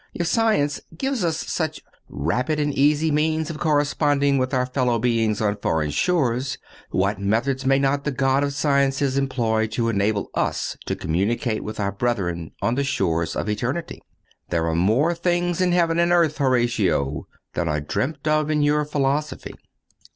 If science gives us such rapid and easy means of corresponding with our fellow beings on foreign shores, what methods may not the God of Sciences employ to enable us to communicate with our brethren on the shores of eternity? "There are more things in heaven and earth, Horatio, than are dreamt of in your philosophy."